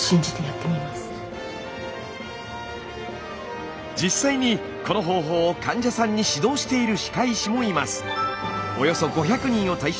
確かに実際にこの方法を患者さんに指導している歯科医師もいます。